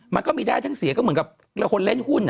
มันก็มีได้ทั้งเสียก็เหมือนกับคนเล่นหุ้น